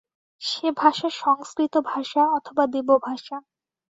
সে-ভাষা সংস্কৃত ভাষা অথবা দেবভাষা।